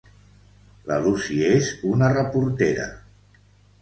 La Lucy és una reportera.